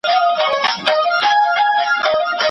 د بې ننګو به په لاس وي تور بنګړي د پنجابیو